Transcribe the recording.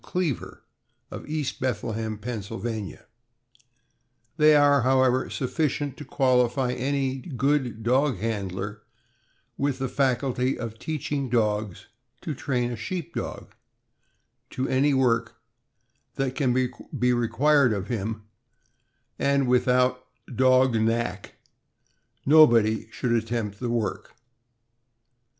Cleaver, of East Bethlehem, Penn. They are, however, sufficient to qualify any good dog handler with the faculty of teaching dogs to train a Sheep Dog to any work that can be required of him; and without "dog knack" nobody should attempt the work.